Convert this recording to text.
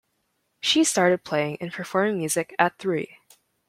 She started playing and performing music at three.